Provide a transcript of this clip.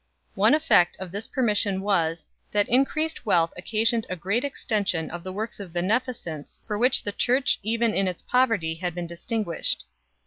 One effect of this permission was, that increased wealth occasioned a great extension of the works of bene ficence for which the Church even in its poverty had been distinguished.